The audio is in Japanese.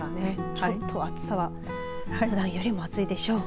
ちょっと暑さはふだんよりも暑いでしょう。